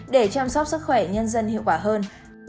để chăm sóc sức khỏe nhân dân hiệu quả hơn